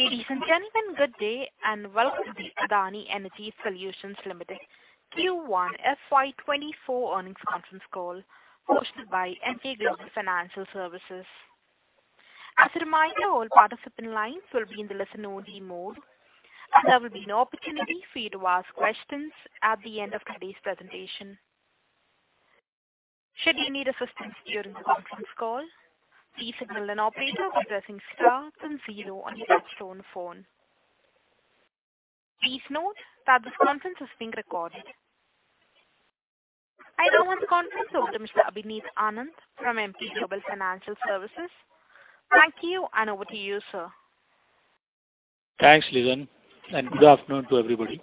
Ladies and gentlemen, good day, and welcome to the Adani Energy Solutions Limited Q1 FY 2024 Earnings Conference Call, hosted by Emkay Global Financial Services. As a reminder, all participant lines will be in the listen-only mode. There will be an opportunity for you to ask questions at the end of today's presentation. Should you need assistance during the conference call, please signal an operator by pressing star zero on your touchtone phone. Please note that this conference is being recorded. I now hand the conference over to Mr. Abhineet Anand from Emkay Global Financial Services. Thank you, and over to you, sir. Thanks, Lizan. Good afternoon to everybody.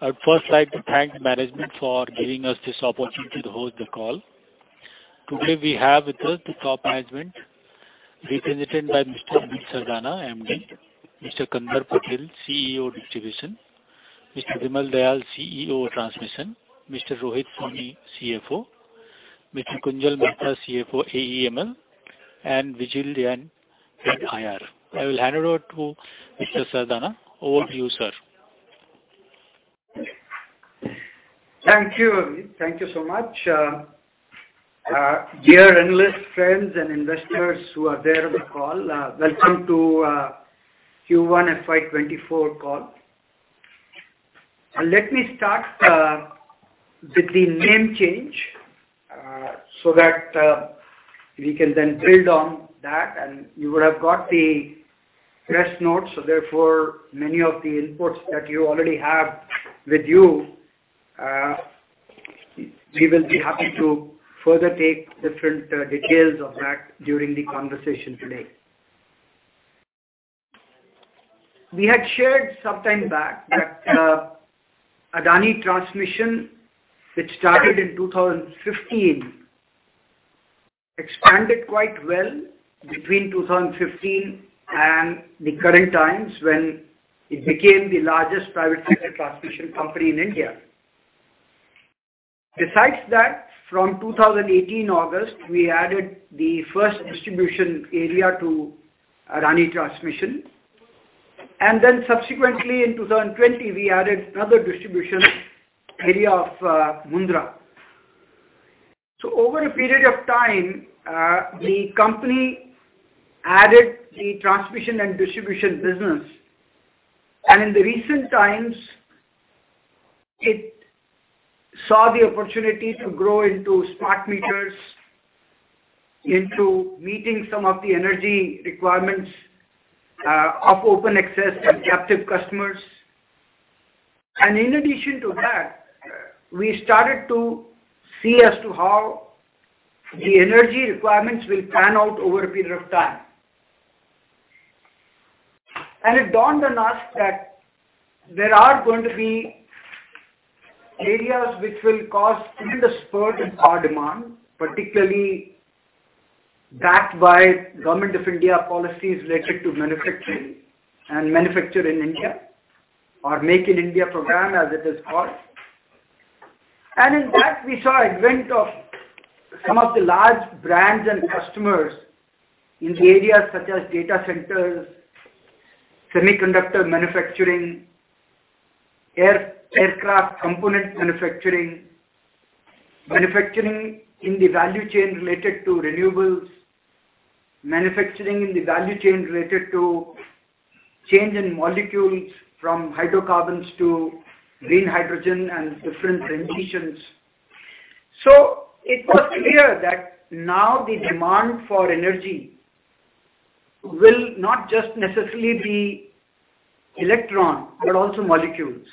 I'd first like to thank management for giving us this opportunity to host the call. Today, we have with us the top management, represented by Mr. Anil Sardana, MD, Mr. Kandarp Patel, CEO, Distribution, Mr. Bimal Dayal, CEO, Transmission, Mr. Rohit Soni, CFO, Mr. Kunjal Mehta, CFO, AEML, and Vijil Jain, from IR. I will hand it over to Mr. Sardana. Over to you, sir. Thank you, Abhineet. Thank you so much. Dear analysts, friends, and investors who are there on the call, welcome to Q1 FY 2024 Call. Let me start with the name change, so that we can then build on that, and you would have got the press notes, so therefore, many of the inputs that you already have with you, we will be happy to further take different details of that during the conversation today. We had shared some time back that Adani Transmission, which started in 2015, expanded quite well between 2015 and the current times, when it became the largest private sector transmission company in India. Besides that, from 2018 August, we added the first distribution area to Adani Transmission, then subsequently in 2020, we added another distribution area of Mundra. Over a period of time, the company added the transmission and distribution business. In the recent times, it saw the opportunity to grow into smart meters, into meeting some of the energy requirements of open access and captive customers. In addition to that, we started to see as to how the energy requirements will pan out over a period of time. It dawned on us that there are going to be areas which will cause tremendous spurt in power demand, particularly backed by Government of India policies related to manufacturing and manufacture in India, or Make in India program, as it is called. In that, we saw advent of some of the large brands and customers in the areas such as data centers, semiconductor manufacturing, aircraft component manufacturing, manufacturing in the value chain related to renewables, manufacturing in the value chain related to change in molecules, from hydrocarbons to green hydrogen and different renditions. It was clear that now the demand for energy will not just necessarily be electron, but also molecules.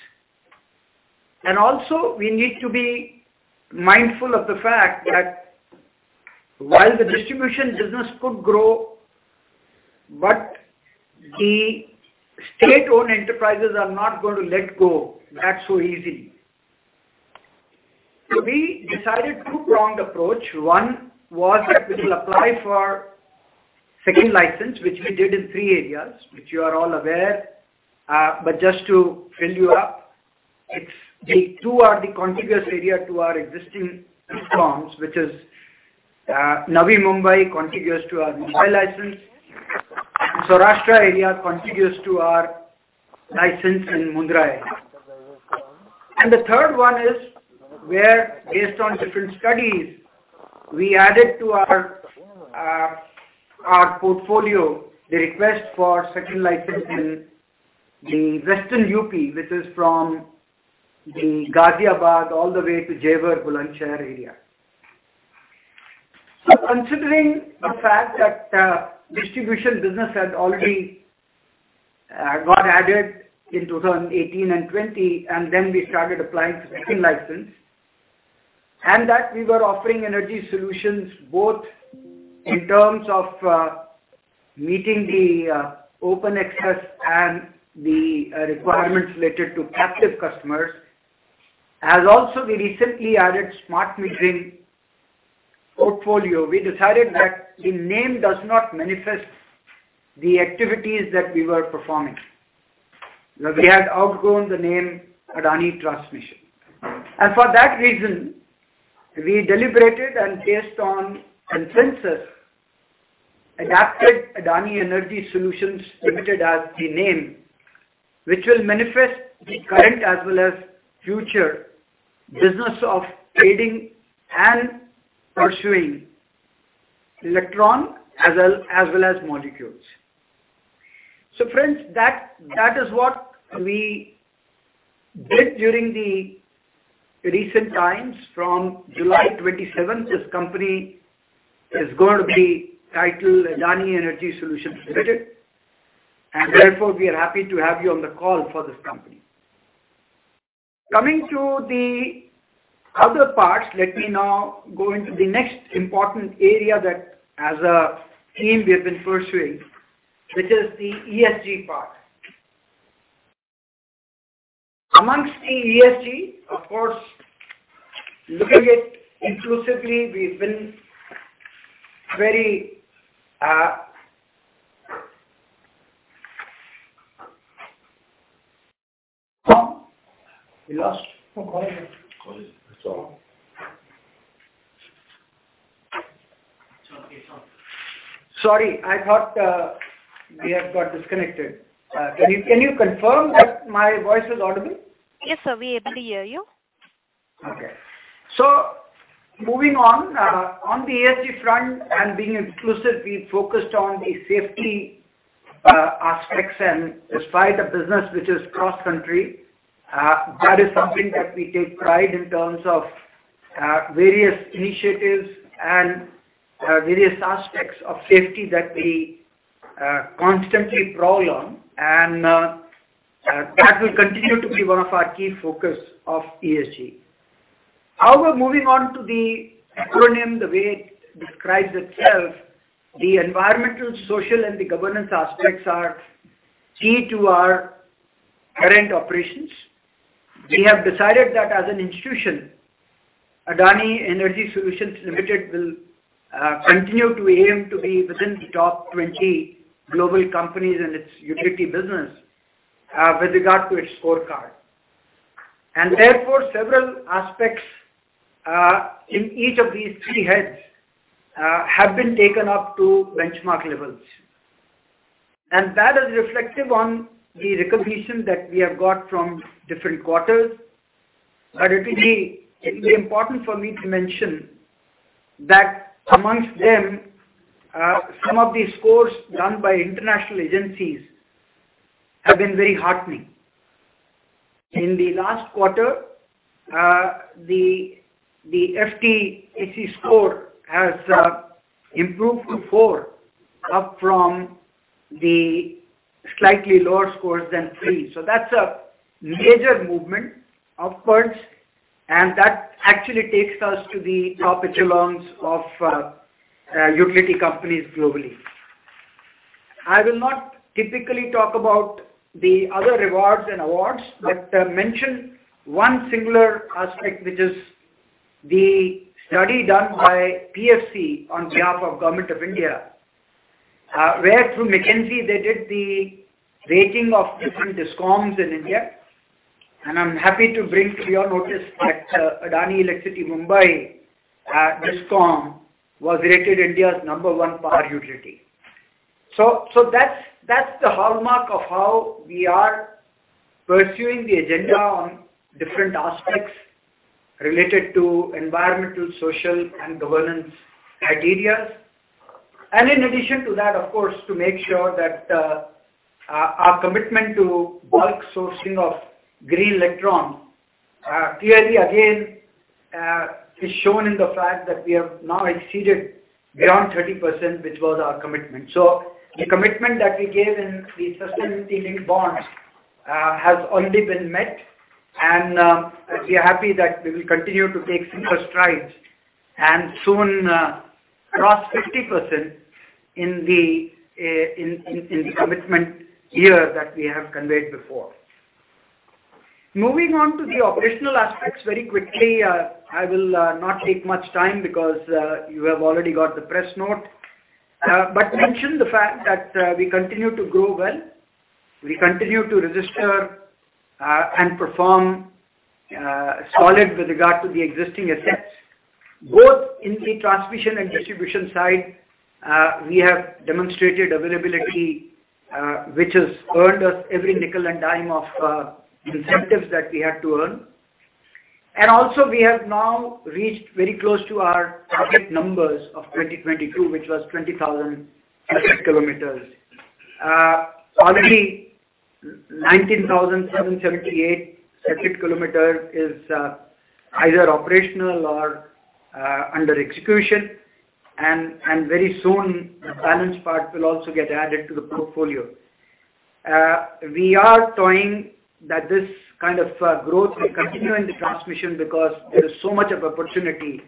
Also, we need to be mindful of the fact that while the distribution business could grow, but the state-owned enterprises are not going to let go that so easy. We decided two-pronged approach. One, was that we will apply for second license, which we did in three areas, which you are all aware. Just to fill you up, it's the two of the contiguous area to our existing platforms, which is Navi Mumbai, contiguous to our Mumbai license. Saurashtra area, contiguous to our license in Mundra. The third one is, where based on different studies, we added to our portfolio, the request for second license in the western UP, which is from the Ghaziabad all the way to Jaipur, Bulandshahr area. Considering the fact that distribution business had already got added in 2018 and 2020, then we started applying for second license, and that we were offering energy solutions, both in terms of meeting the open access and the requirements related to captive customers. As also we recently added smart metering portfolio, we decided that the name does not manifest the activities that we were performing. We had outgrown the name Adani Transmission. For that reason, we deliberated and based on consensus, adapted Adani Energy Solutions Limited as the name, which will manifest the current as well as future business of trading and pursuing electron as well, as well as molecules. Friends, that, that is what we did during the recent times. From July 27th, this company is going to be titled Adani Energy Solutions Limited, and therefore we are happy to have you on the call for this company. Coming to the other parts, let me now go into the next important area that as a team we have been pursuing, which is the ESG part. Amongst the ESG, of course, looking at inclusively, we've been very. We lost? No, call again. Call it. It's on. Sorry, I thought, we have got disconnected. Can you, can you confirm that my voice is audible? Yes, sir, we are able to hear you. Okay. Moving on, on the ESG front and being inclusive, we focused on the safety aspects and despite the business which is cross-country, that is something that we take pride in terms of various initiatives and various aspects of safety that we constantly prowl on, and that will continue to be one of our key focus of ESG. However, moving on to the acronym, the way it describes itself, the environmental, social, and the governance aspects are key to our current operations. We have decided that as an institution, Adani Energy Solutions Limited will continue to aim to be within the top 20 global companies in its utility business with regard to its scorecard. Therefore, several aspects in each of these three heads have been taken up to benchmark levels. That is reflective on the recognition that we have got from different quarters. It is, it is important for me to mention that amongst them, some of the scores done by international agencies have been very heartening. In the last quarter, the FTSE score has improved to four, up from the slightly lower scores than three. That's a major movement upwards, and that actually takes us to the top echelons of utility companies globally. I will not typically talk about the other rewards and awards, but mention one singular aspect, which is the study done by PFC on behalf of Government of India, where through McKinsey they did the rating of different DISCOMs in India. I'm happy to bring to your notice that Adani Electricity Mumbai DISCOM was rated India's number one power utility. That's, that's the hallmark of how we are pursuing the agenda on different aspects related to environmental, social, and governance criterias. In addition to that, of course, to make sure that our commitment to bulk sourcing of green electrons, clearly again, is shown in the fact that we have now exceeded beyond 30%, which was our commitment. The commitment that we gave in the sustainability-linked bonds has only been met, and we are happy that we will continue to take simpler strides and soon cross 50% in the in in the commitment year that we have conveyed before. Moving on to the operational aspects very quickly, I will not take much time because you have already got the press note. But, mention the fact that we continue to grow well. We continue to register and perform solid with regard to the existing assets. Both in the transmission and distribution side, we have demonstrated availability, which has earned us every nickel and dime of incentives that we had to earn. Also, we have now reached very close to our target numbers of 2022, which was 20,000 circuit kilometers. Already 19,778 circuit kilometers is either operational or under execution, and very soon the balance part will also get added to the portfolio. We are toying that this kind of growth will continue in the transmission because there is so much of opportunity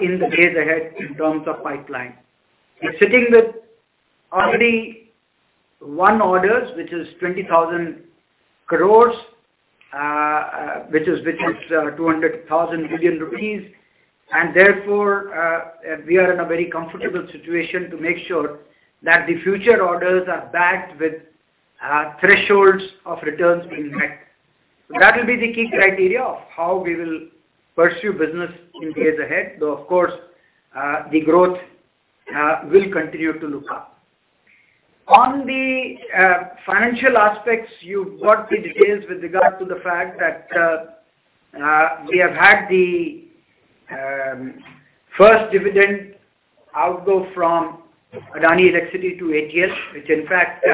in the days ahead in terms of pipeline. We're sitting with already won orders, which is 20,000 crore, which is, which is 200,000 billion rupees. Therefore, we are in a very comfortable situation to make sure that the future orders are backed with thresholds of returns being met. That will be the key criteria of how we will pursue business in days ahead, though, of course, the growth will continue to look up. On the financial aspects, you've got the details with regard to the fact that we have had the first dividend outflow from Adani Electricity to ATL, which in fact,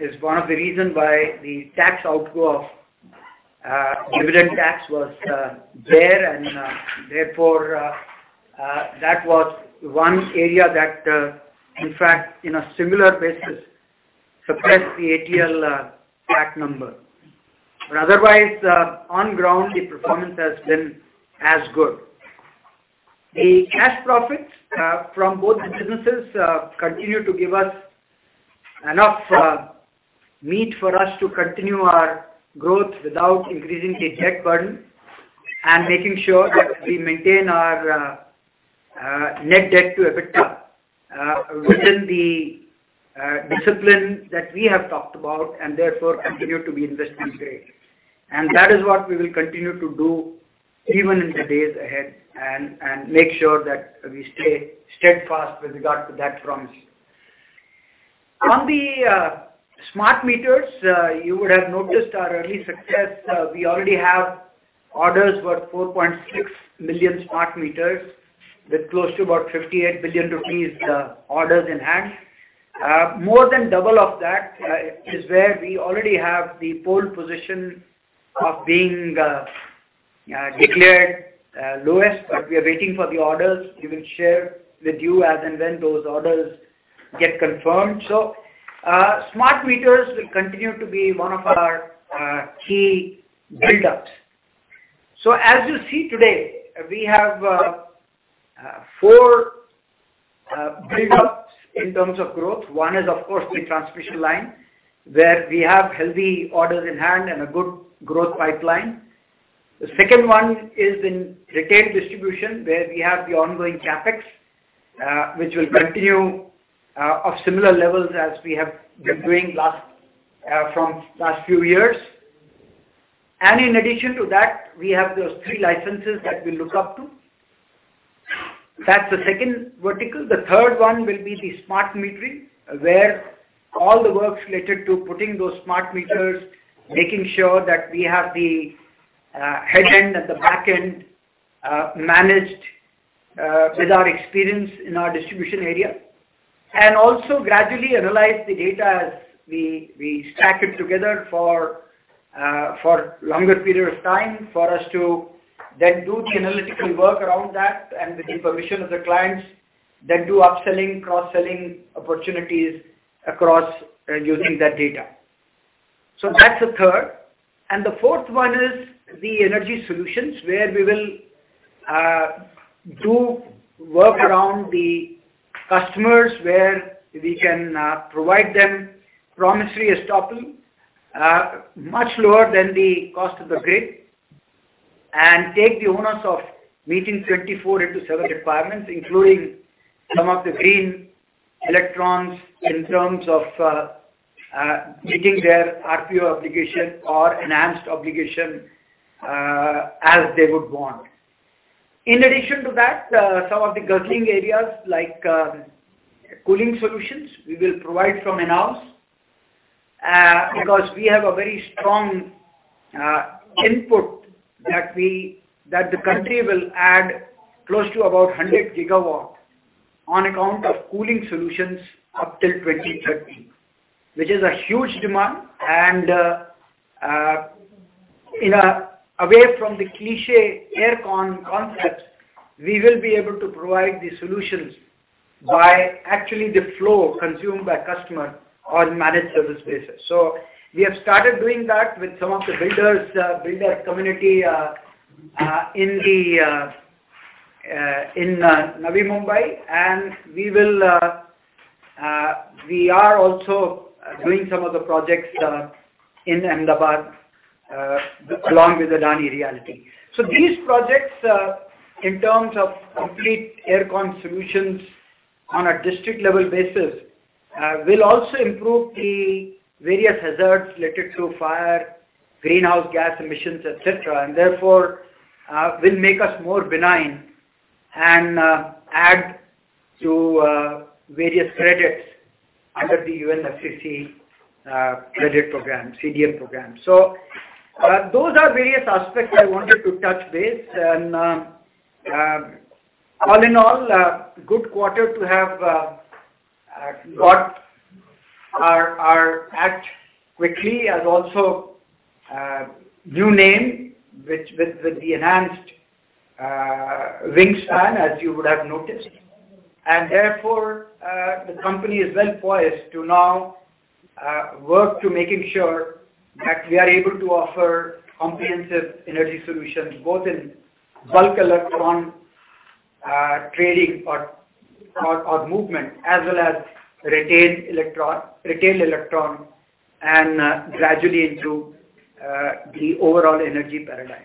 is one of the reason why the tax outflow of dividend tax was there. Therefore, that was one area that, in fact, in a similar basis, suppressed the ATL tax number. Otherwise, on ground, the performance has been as good. The cash profits from both the businesses continue to give us enough meat for us to continue our growth without increasing the debt burden, and making sure that we maintain our net debt to EBITDA within the discipline that we have talked about, and therefore continue to be investment grade. That is what we will continue to do even in the days ahead and make sure that we stay steadfast with regard to that promise. On the smart meters, you would have noticed our early success. We already have orders worth 4.6 million smart meters, with close to about 58 billion rupees orders in hand. More than double of that is where we already have the pole position of being declared lowest, but we are waiting for the orders. We will share with you as and when those orders get confirmed. Smart meters will continue to be one of our key build outs. As you see today, we have four build outs in terms of growth. One is, of course, the transmission line, where we have healthy orders in hand and a good growth pipeline. The second one is in retail distribution, where we have the ongoing CapEx, which will continue of similar levels as we have been doing last from last few years. In addition to that, we have those three licenses that we look up to. That's the second vertical. The third one will be the smart metering, where all the work related to putting those smart meters, making sure that we have the Head End and the back end managed with our experience in our distribution area. Also gradually analyze the data as we, we stack it together for longer periods of time, for us to then do the analytical work around that, and with the permission of the clients, then do upselling, cross-selling opportunities across using that data. That's the third. The fourth one is the energy solutions, where we will do work around the customers, where we can provide them promissory estoppel much lower than the cost of the grid, and take the onus of meeting 24/7 requirements, including some of the green electrons, in terms of meeting their RPO obligation or enhanced obligation as they would want. In addition to that, some of the gurgling areas like cooling solutions, we will provide from in-house because we have a very strong input that the country will add close to about 100 gigawatt on account of cooling solutions up till 2030. Which is a huge demand, and in a way from the cliché air con concept, we will be able to provide the solutions by actually the flow consumed by customer on managed service basis. We have started doing that with some of the builders, builder community in Navi Mumbai. We will, we are also doing some of the projects in Ahmedabad along with Adani Realty. These projects, in terms of complete air con solutions on a district level basis, will also improve the various hazards related to fire, greenhouse gas emissions, et cetera. Therefore, will make us more benign and add to various credits under the UNFCCC credit program, CDM program. Those are various aspects I wanted to touch base. All in all, a good quarter to have got our, our act quickly, and also, new name, which with, with the enhanced wing span, as you would have noticed. Therefore, the company is well poised to now work to making sure that we are able to offer comprehensive energy solutions, both in bulk electron-trading or, or, or movement, as well as retail electron, retail electron and gradually into the overall energy paradigm.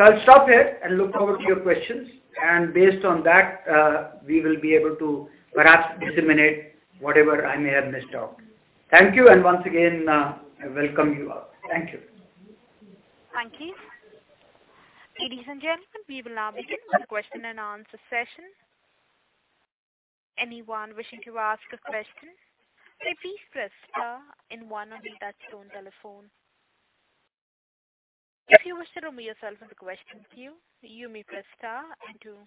I'll stop here and look forward to your questions, and based on that, we will be able to perhaps disseminate whatever I may have missed out. Thank you, and once again, I welcome you all. Thank you. Thank you. Ladies and gentlemen, we will now begin with the question and answer session. Anyone wishing to ask a question, please press star one on your touchtone telephone. If you wish to remove yourself from the question queue, you may press star two.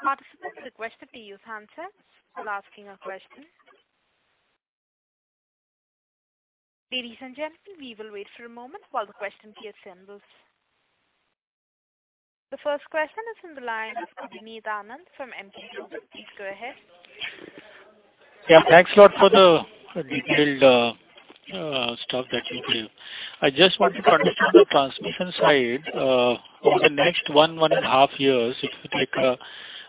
Participants are requested to use handsets while asking a question. Ladies and gentlemen, we will wait for a moment while the question queue assembles. The first question is from the line of (Kudimi Damon) from (MP2). Please go ahead. Yeah, thanks a lot for the, the detailed stuff that you gave. I just want to understand the transmission side, over the next one - one and half years, it would take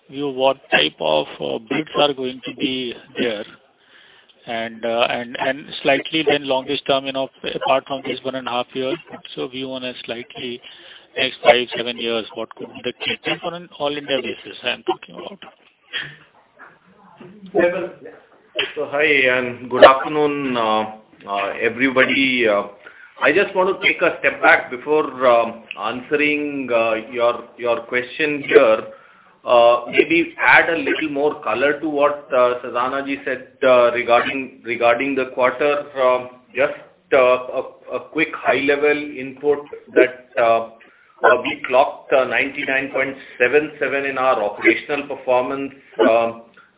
you what type of bids are going to be there. slightly then longest term, you know, apart from this one and half years. view on a slightly next five to seven years, what could be the key thing for an all-India basis I'm talking about? Hi, and good afternoon, everybody. I just want to take a step back before answering your question here. Maybe add a little more color to what Sardana Ji said regarding, regarding the quarter. Just a quick high-level input that we clocked 99.77 in our operational performance,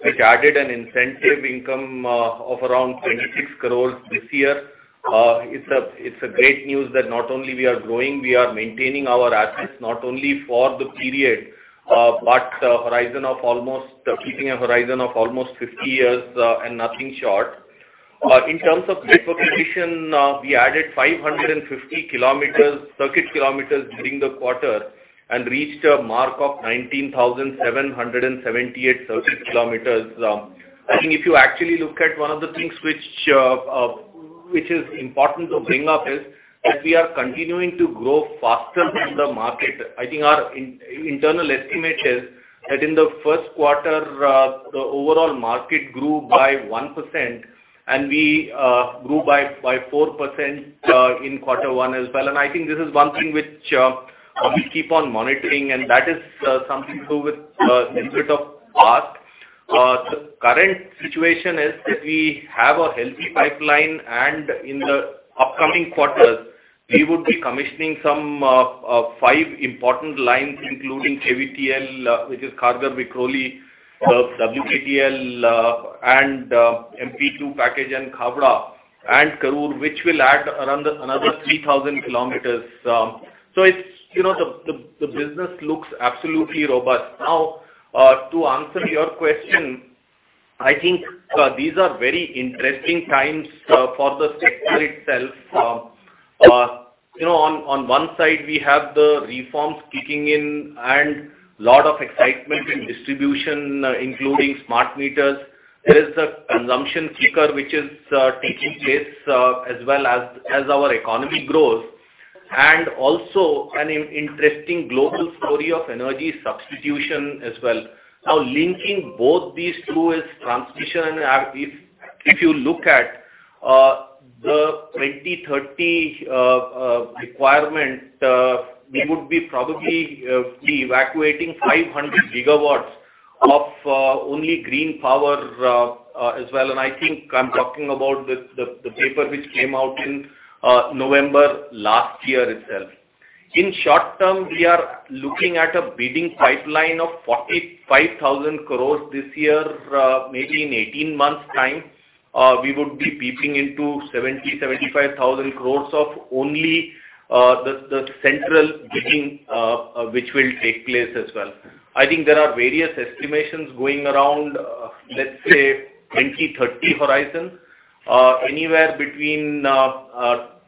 which added an incentive income of around 26 crore this year. It's a, it's a great news that not only we are growing, we are maintaining our assets, not only for the period, but a horizon of almost, keeping a horizon of almost 50 years, and nothing short. In terms of circuit position, we added 550 kilometers, circuit kilometers during the quarter and reached a mark of 19,778 circuit kilometers. I think if you actually look at one of the things which is important to bring up is that we are continuing to grow faster than the market. I think our internal estimate is that in the first quarter, the overall market grew by 1%, and we grew by 4% in quarter one as well. I think this is one thing which we keep on monitoring, and that is something to do with a little bit of art. The current situation is that we have a healthy pipeline, and in the upcoming quarters, we would be commissioning some five important lines, including KVTL, which is Kharghar Vikhroli, WKTL, and MP2 package and Khavda and Karur, which will add around another 3,000 kilometers. It's, you know, the, the, the business looks absolutely robust. Now, to answer your question, I think, these are very interesting times, for the sector itself. You know, on, on one side, we have the reforms kicking in and a lot of excitement in distribution, including smart meters. There is a consumption kicker, which is taking place, as well as, as our economy grows, and also an interesting global story of energy substitution as well. Now, linking both these two is transmission. If, if you look at the 2030 requirement, we would be probably be evacuating 500 gigawatts of only green power as well. I think I'm talking about the, the, the paper which came out in November last year itself. In short term, we are looking at a bidding pipeline of 45,000 crore this year. Maybe in 18 months time, we would be beeping into 70,000-75,000 crore of only, the central bidding, which will take place as well. I think there are various estimations going around, let's say, 2030 horizon. Anywhere between,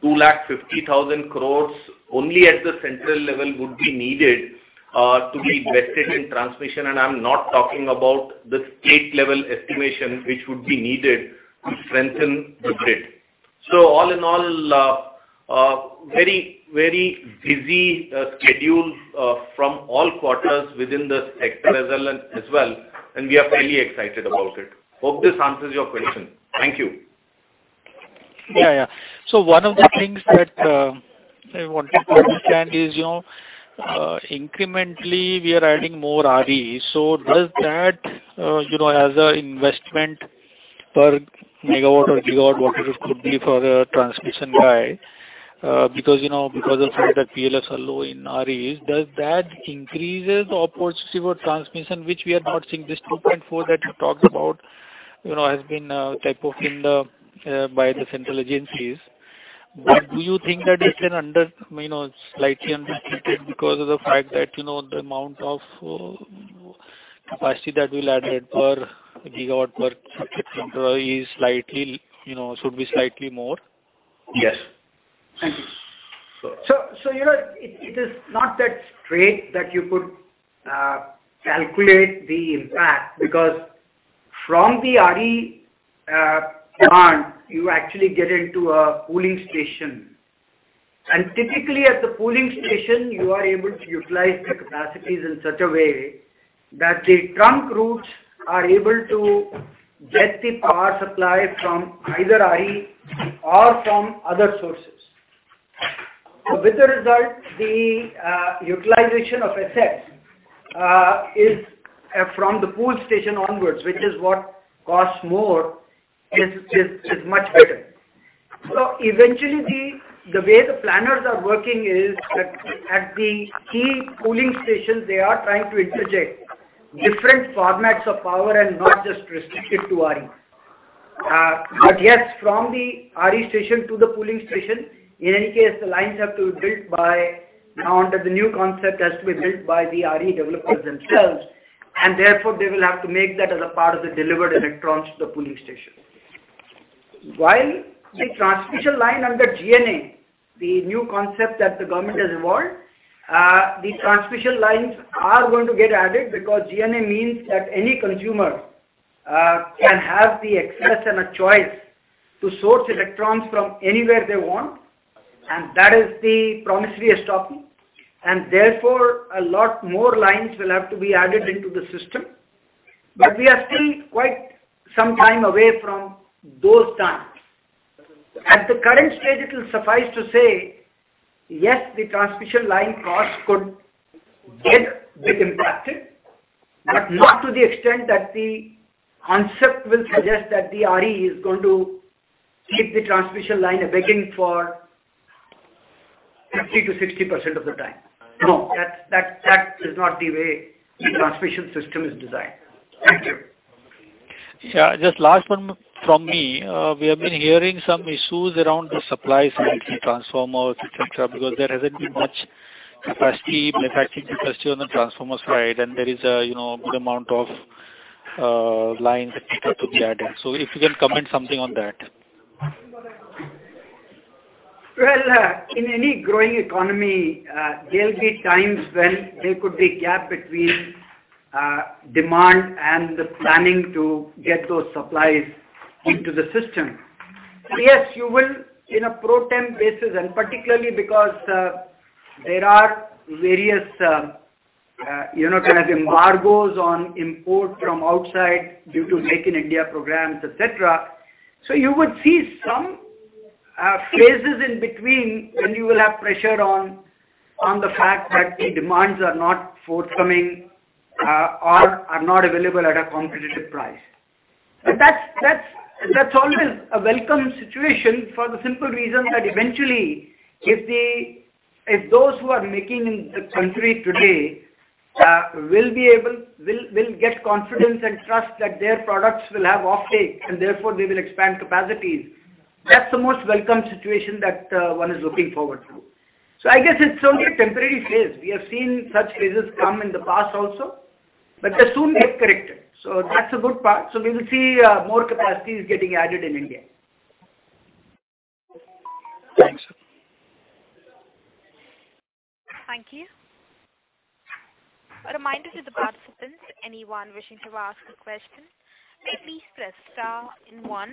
2 Lakhs-3000 crore, only at the central level, would be needed to be invested in transmission. I'm not talking about the state level estimation, which would be needed to strengthen the grid. All in all, very, very busy schedule, from all quarters within the sector as well, as well, and we are fairly excited about it. Hope this answers your question. Thank you. Yeah, yeah. One of the things that I wanted to understand is, you know, incrementally we are adding more RE. Does that, you know, as a investment per megawatt or gigawatt, whatever it could be for the transmission guy, because, you know, because of the fact that PLFs are low in REs, does that increases the opportunity for transmission, which we are not seeing? This 2.4 that you talked about, you know, has been type of in the by the central agencies. Do you think that it's an under, you know, slightly understated because of the fact that, you know, the amount of capacity that will add per gigawatt per is slightly, you know, should be slightly more? Yes. Thank you. You know, it is not that straight that you could calculate the impact, because from the RE demand, you actually get into a pooling station. Typically, at the pooling station, you are able to utilize the capacities in such a way that the trunk routes are able to get the power supply from either RE or from other sources. With the result, the utilization of assets is from the pool station onwards, which is what costs more, is much better. Eventually, the way the planners are working is that at the key pooling stations, they are trying to interject different formats of power and not just restricted to RE. Yes, from the RE station to the pooling station, in any case, the lines have to be built by... Under the new concept, has to be built by the RE developers themselves, and therefore, they will have to make that as a part of the delivered electrons to the pooling station. The transmission line under GNA, the new concept that the government has evolved, the transmission lines are going to get added because GNA means that any consumer can have the access and a choice to source electrons from anywhere they want, and that is the promissory note. Therefore, a lot more lines will have to be added into the system. We are still quite some time away from those times. At the current stage, it will suffice to say, yes, the transmission line costs could get bit impacted, but not to the extent that the concept will suggest that the RE is going to keep the transmission line abeyance for 50%-60% of the time. No, that, that, that is not the way the transmission system is designed. Thank you. Yeah, just last one from me. We have been hearing some issues around the supply side, transformers, et cetera, because there hasn't been much capacity, manufacturing capacity on the transformers side, and there is a, you know, good amount of lines, et cetera, to be added. If you can comment something on that? Well, in any growing economy, there will be times when there could be gap between demand and the planning to get those supplies into the system. Yes, you will, in a pro tem basis, and particularly because there are various, you know, kind of embargoes on import from outside due to Make in India programs, et cetera. So you would see some phases in between when you will have pressure on, on the fact that the demands are not forthcoming, or are not available at a competitive price. That's, that's, that's always a welcome situation for the simple reason that eventually, if the, if those who are making in the country today, will be able-- will, will get confidence and trust that their products will have offtake, and therefore, they will expand capacities, that's the most welcome situation that one is looking forward to. I guess it's only a temporary phase. We have seen such phases come in the past also, but they soon get corrected. That's a good part. We will see more capacities getting added in India. Thanks. Thank you. A reminder to the participants, anyone wishing to ask a question, please press star and one.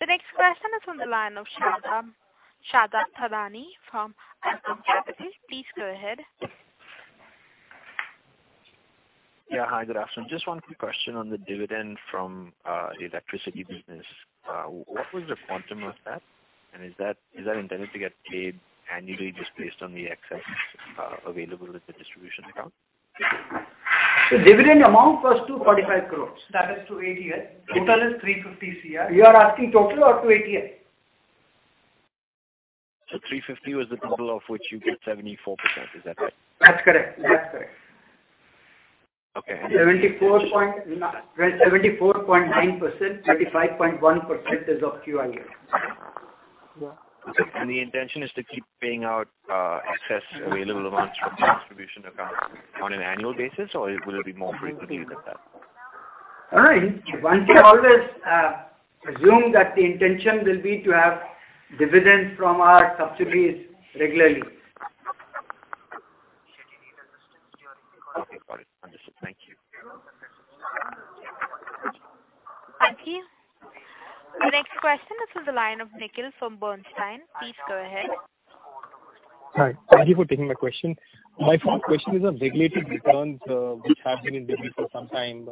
The next question is on the line of Shabab Thadani from Arqaam Capital. Please go ahead. Yeah. Hi, good afternoon. Just one quick question on the dividend from the electricity business. What was the quantum of that? Is that intended to get paid annually, just based on the excess available with the distribution account? The dividend amount was 245 crore. That is to ATS. Total is 350 crore. You are asking total or to ATS? 350 was the total of which you get 74%. Is that right? That's correct. That's correct. Okay. 74.9%, 35.1% is of QIA. Yeah. The intention is to keep paying out excess available amounts from the distribution account on an annual basis, or will it be more frequently than that? All right. One can always assume that the intention will be to have dividends from our subsidiaries regularly. Okay, got it. Understood. Thank you. Thank you. The next question is on the line of Nikhil from Bernstein. Please go ahead. Hi. Thank you for taking my question. My first question is on regulated returns, which have been in delay for some time,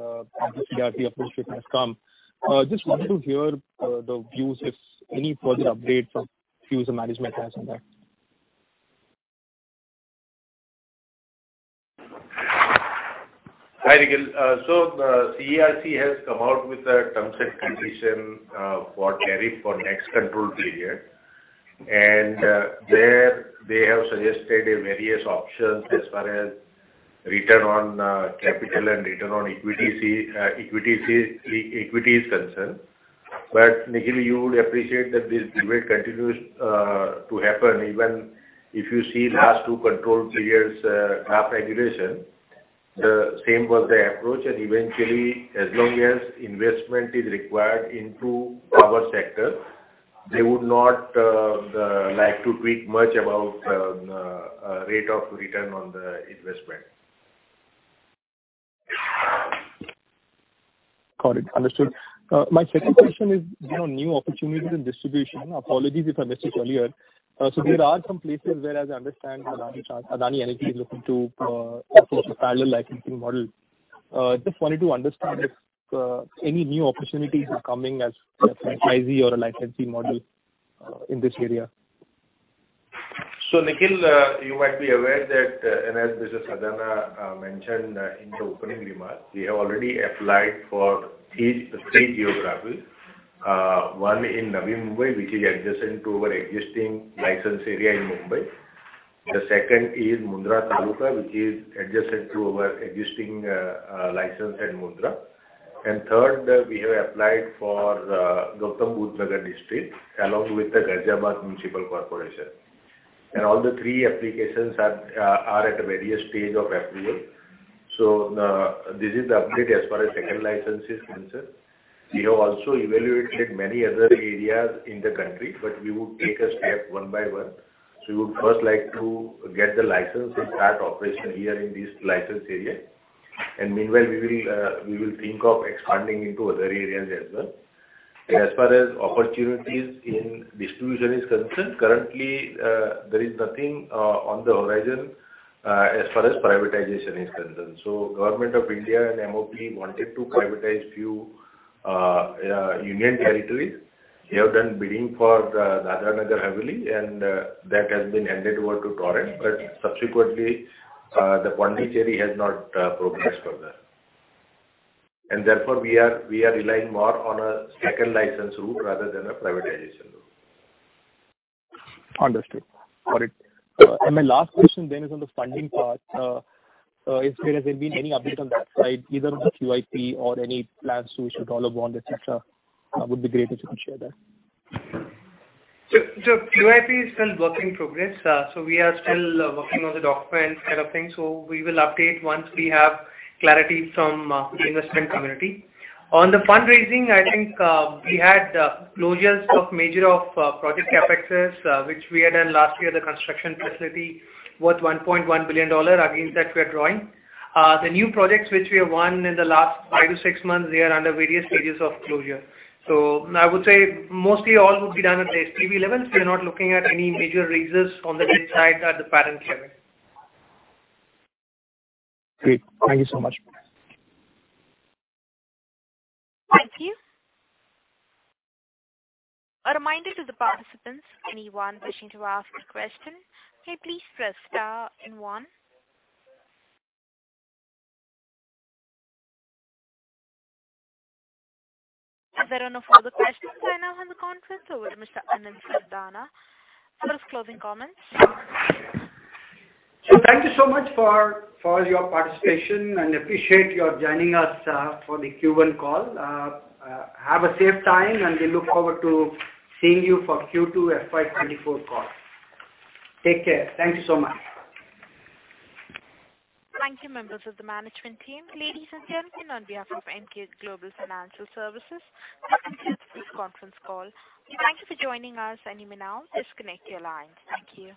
since the RPO has come. Just wanted to hear the views, if any further update from you as the management has on that. Hi, Nikhil. CERC has come out with a concept position for tariff for next control period. There they have suggested a various options as far as return on capital and return on equity is concerned. Nikhil, you would appreciate that this debate continues to happen, even if you see last two control three years, tariff regulation, the same was the approach. Eventually, as long as investment is required into our sector, they would not the like to tweak much about rate of return on the investment. Got it. Understood. My second question is on new opportunities in distribution. Apologies if I missed it earlier. There are some places where I understand Adani Energy Solutions is looking to approach a parallel licensing model. Just wanted to understand if any new opportunities are coming as franchisee or a licensee model in this area? Nikhil, you might be aware that, and as Mr. Sardana mentioned in the opening remarks, we have already applied for each three geographies. One in Navi Mumbai, which is adjacent to our existing license area in Mumbai. The second is Mundra Taluka, which is adjacent to our existing license at Mundra. Third, we have applied for Gautam Buddha Nagar district, along with the Ghaziabad Municipal Corporation. All the three applications are at various stage of approval. This is the update as far as second license is concerned. We have also evaluated many other areas in the country, but we would take a step one by one. We would first like to get the license and start operation here in this license area. Meanwhile, we will, we will think of expanding into other areas as well. As far as opportunities in distribution is concerned, currently, there is nothing on the horizon as far as privatization is concerned. Government of India and MoP wanted to privatize few union territories. We have done bidding for the Dadra and Nagar Haveli, and that has been handed over to Torrent. Subsequently, the Pondicherry has not progressed further. Therefore, we are, we are relying more on a second license route rather than a privatization route. Understood. Got it. My last question then is on the funding part. If there has been any update on that side, either on the QIP or any plans to issue dollar bond, et cetera, would be great if you can share that. QIP is still work in progress, so we are still working on the document kind of thing, so we will update once we have clarity from the investment community. On the fundraising, I think, we had closures of major of project CapEx, which we had done last year, the construction facility worth $1.1 billion, against that we are drawing. The new projects which we have won in the last five to six months, they are under various stages of closure. I would say mostly all would be done at the SPV level. We are not looking at any major raises on the debt side at the parent level. Great, thank you so much. Thank you. A reminder to the participants, anyone wishing to ask a question, can you please press star and one? There are no further questions right now on the conference. Over to Mr. Anil Sardana for his closing comments. Thank you so much for, for your participation, and appreciate your joining us for the Q1 Call. Have a safe time, and we look forward to seeing you for Q2 FY 2024 Call. Take care. Thank you so much. Thank you, members of the management team. Ladies and gentlemen, on behalf of Emkay Global Financial Services, that concludes this conference call. Thank you for joining us, and you may now disconnect your lines. Thank you.